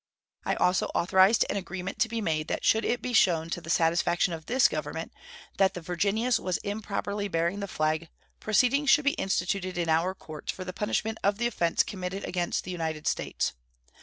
I also authorized an agreement to be made that should it be shown to the satisfaction of this Government that the Virginius was improperly bearing the flag proceedings should be instituted in our courts for the punishment of the offense committed against the United States.